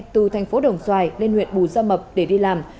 từ thành phố đồng xoài lên huyện bù gia mập để đi làm